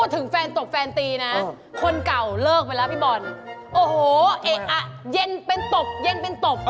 ถึงด้วยทำให้งง